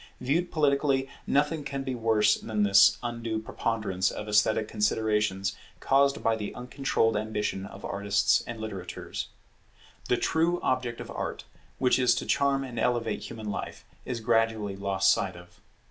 Viewed politically, nothing can be worse than this undue preponderance of esthetic considerations caused by the uncontrolled ambition of artists and litterateurs. The true object of Art, which is to charm and elevate human life, is gradually lost sight of.